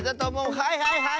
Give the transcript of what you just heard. はいはいはいはい！